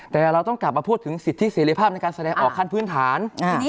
แต่เราต้องกลับมาพูดถึงสิทธิเสรีภาพในการแสดงออกขั้นพื้นฐาน